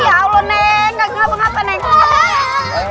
ya allah neng